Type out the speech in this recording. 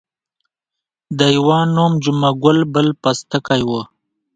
د یوه نوم جمعه ګل بل پستکی وو.